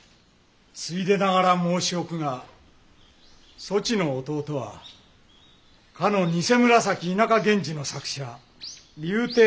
ついでながら申しおくがそちの弟はかの「偐紫田舎源氏」の作者柳亭種彦だそうだな？